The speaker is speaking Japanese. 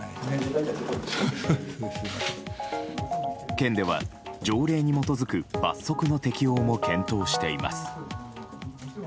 県では、条例に基づく罰則の適用も検討しています。